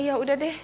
iya udah deh